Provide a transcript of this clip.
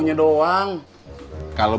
tidak akan rush